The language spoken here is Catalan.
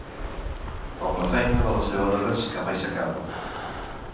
Com la feina de les llevadores, que mai s'acaba.